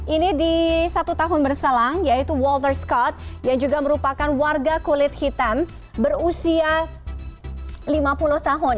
ini di satu tahun berselang yaitu walter scott yang juga merupakan warga kulit hitam berusia lima puluh tahun